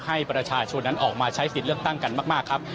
ให้ประชาชนนั้นออกมาใช้สิทธิ์เลือกตั้งกันมากครับ